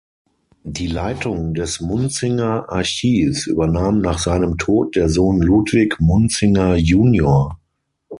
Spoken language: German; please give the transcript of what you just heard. Die Leitung des Munzinger-Archivs übernahm nach seinem Tod der Sohn Ludwig Munzinger junior.